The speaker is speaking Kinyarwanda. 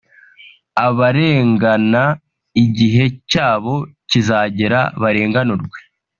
abarengana igihe cyabo cyizagera barenganurwe